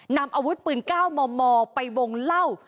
นำอาวุธปืนก้าวมอไปวงเหล้า